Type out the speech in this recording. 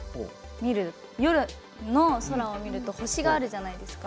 夜の空を見ると星があるじゃないですか。